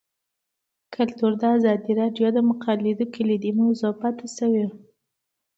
کلتور د ازادي راډیو د مقالو کلیدي موضوع پاتې شوی.